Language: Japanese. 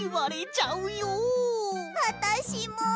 あたしも。